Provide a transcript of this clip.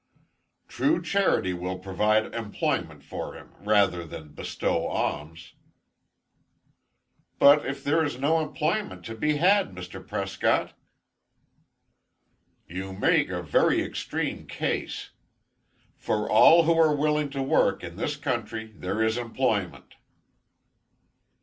"True charity will provide employment for him rather than bestow alms." "But, if there is no employment to be had Mr. Prescott?" "You make a very extreme case. For all who are willing to work, in this country, there is employment."